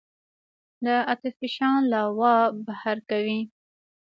د آتش فشان لاوا بهر کوي.